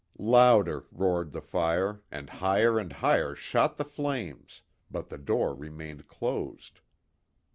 Louder roared the fire, and higher and higher shot the flames, but the door remained closed.